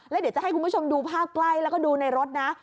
แล้วเดี๋ยวจะให้คุณผู้ชมดูภาพใกล้แล้วก็ดูในรถนะ